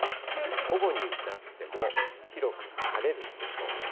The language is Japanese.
午後になっても、広く晴れる予想です。